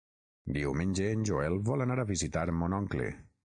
Diumenge en Joel vol anar a visitar mon oncle.